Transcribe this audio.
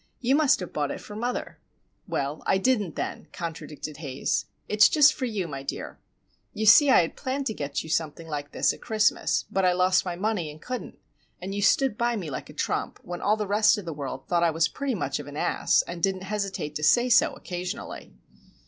You must have bought it for mother." "Well, I didn't then," contradicted Haze. "It's just for you, my dear. You see I had planned to get something like this at Christmas, but I lost my money, and couldn't; and you stood by me like a trump, while all the rest of the world thought I was pretty much of an ass,—and didn't hesitate to say so, occasionally.